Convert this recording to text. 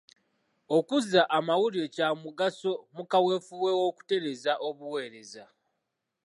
Okuzza amawulire kya mugaso mu kaweefube w'okutereeza obuweereza.